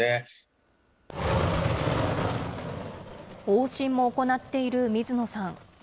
往診も行っている水野さん。